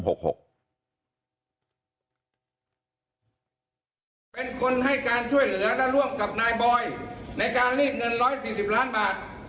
เป็นคนให้การช่วยเหลือและร่วมกับนายบอยในการรีดเงิน๑๔๐ล้านบาท